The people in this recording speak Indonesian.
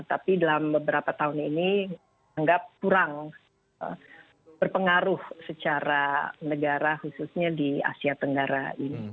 tapi dalam beberapa tahun ini anggap kurang berpengaruh secara negara khususnya di asia tenggara ini